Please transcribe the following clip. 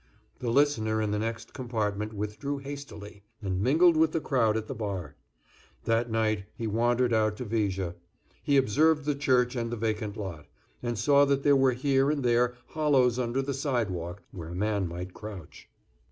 The listener in the next compartment withdrew hastily, and mingled with the crowd at the bar. That night he wandered out to Viger. He observed the church and the vacant lot, and saw that there were here and there hollows under the sidewalk, where a man might crouch.